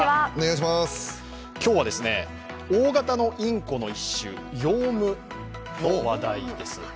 今日は大型のインコの一種ヨウムの話題です。